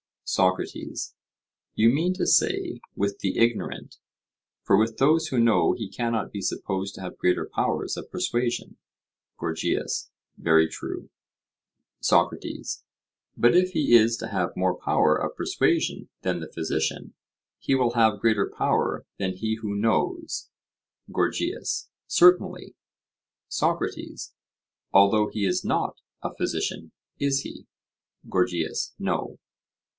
SOCRATES: You mean to say, with the ignorant; for with those who know he cannot be supposed to have greater powers of persuasion. GORGIAS: Very true. SOCRATES: But if he is to have more power of persuasion than the physician, he will have greater power than he who knows? GORGIAS: Certainly. SOCRATES: Although he is not a physician:—is he? GORGIAS: No.